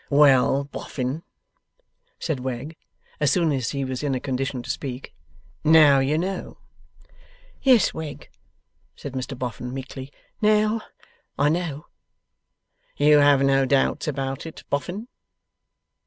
'Well, Boffin!' said Wegg, as soon as he was in a condition to speak. 'Now, you know.' 'Yes, Wegg,' said Mr Boffin, meekly. 'Now, I know.' 'You have no doubts about it, Boffin.